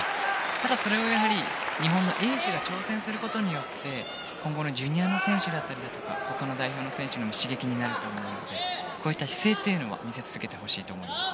ただ、それを日本のエースが挑戦することによって今後のジュニアの選手だったり他の代表の選手も刺激になると思うのでこういった姿勢というのを見せ続けてほしいなと思います。